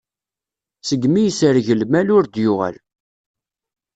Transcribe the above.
Segmi yesreg lmal, ur d-yuɣal.